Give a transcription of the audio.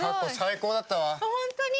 本当に？